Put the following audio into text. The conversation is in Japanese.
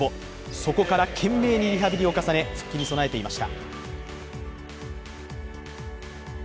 そこから懸命にリハビリを重ね復帰に備えていました。